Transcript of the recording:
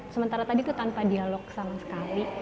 sementara tadi itu tanpa dialog sama sekali